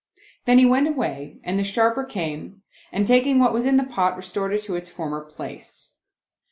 Then he went away and the Sharper came and taking what was in the pot, restored it to its former place.